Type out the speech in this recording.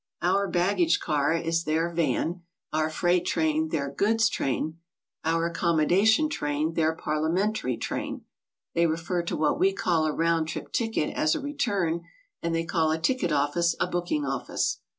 Our "baggage car" HOW TO TRAVEL ABROAD. 6i is their 'Van"; our "freig'ht train" their "goods train"; c ir "accommodation train" their "Parliamentary train." They refer to what we call a "round trip ticket" as a "return"; and they call a ticket office a "booking office."